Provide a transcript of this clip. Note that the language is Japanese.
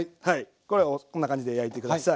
これをこんな感じで焼いて下さい。